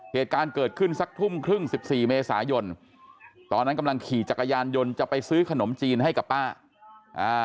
เหตุการณ์เกิดขึ้นสักทุ่มครึ่งสิบสี่เมษายนตอนนั้นกำลังขี่จักรยานยนต์จะไปซื้อขนมจีนให้กับป้าอ่า